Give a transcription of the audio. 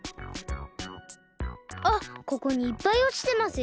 あっここにいっぱいおちてますよ！